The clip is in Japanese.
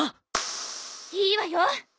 いいわよ！